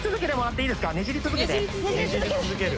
ねじり続けて！